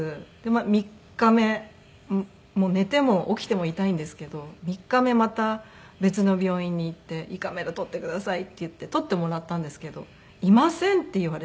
３日目寝ても起きても痛いんですけど３日目また別の病院に行って胃カメラ撮ってくださいって言って撮ってもらったんですけどいませんって言われて。